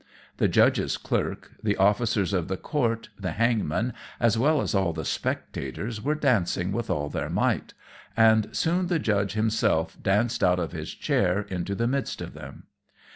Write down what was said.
The judge's clerk, the officers of the court, the hangman, as well as all the spectators, were dancing with all their might, and soon the judge himself danced out of his chair into the midst of them.